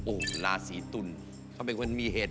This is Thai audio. โอ้โหราศีตุลเขาเป็นคนมีเหตุ